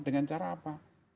dengan cara apa